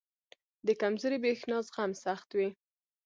• د کمزوري برېښنا زغم سخت وي.